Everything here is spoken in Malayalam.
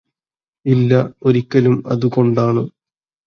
ഇല്ല ഒരിക്കലും അതുകൊണ്ടാണ്